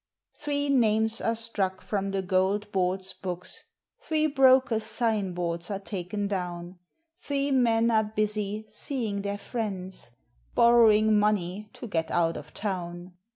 Three names are struck from the Gold Board's books, Three brokers' sign boards are taken down; Three men are busy "seeing their friends," Borrowing money to get out of town.